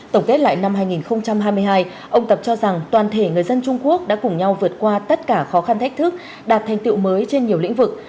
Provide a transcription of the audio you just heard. tổng kết lại năm hai nghìn hai mươi hai ông tập cho rằng toàn thể người dân trung quốc đã cùng nhau vượt qua tất cả khó khăn thách thức đạt thành tiệu mới trên nhiều lĩnh vực